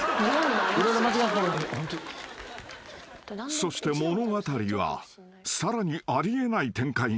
［そして物語はさらにあり得ない展開に］